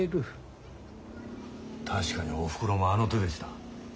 確かにおふくろもあの手でした。